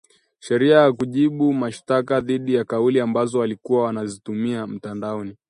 sheria na kujibu mashitaka dhidi ya kauli ambazo walikuwa wanazitumia mitandaoni